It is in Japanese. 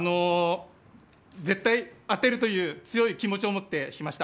絶対当てるという強い気持ちを持って引きました。